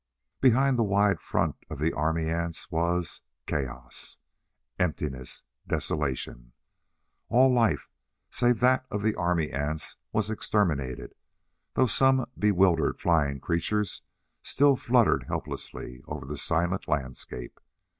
Behind the wide front of the army ants was chaos. Emptiness. Desolation. All life save that of the army ants was exterminated, though some bewildered flying creatures still fluttered helplessly over the silent landscape.